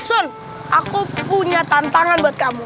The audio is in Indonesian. john aku punya tantangan buat kamu